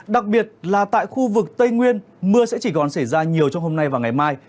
đặc biệt là tại khu vực tây nguyên mưa sẽ chỉ còn xảy ra nhiều trong hôm nay và ngày mai